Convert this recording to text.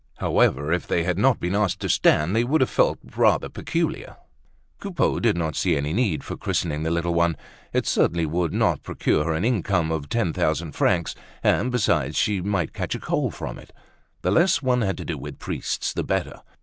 However, if they had not been asked to stand they would have felt rather peculiar. Coupeau did not see any need for christening the little one; it certainly would not procure her an income of ten thousand francs, and besides she might catch a cold from it. The less one had to do with priests the better.